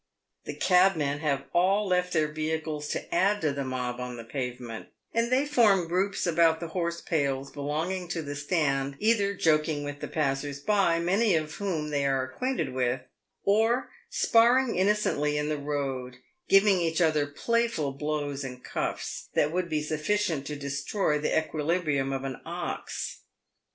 The cabmen have all left their vehicles to add to the mob on the pavement, and they form groups about the horse pails belonging to the stand, either joking with the passers by, many of whom they are acquainted with, or sparring innocently in the road, giving each other playful blows and cuffs, that would be sufficient to destroy the equi librium of an ox.